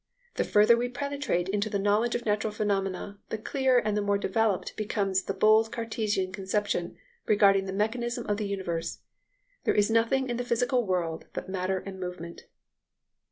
The further we penetrate into the knowledge of natural phenomena, the clearer and the more developed becomes the bold Cartesian conception regarding the mechanism of the universe. There is nothing in the physical world but matter and movement."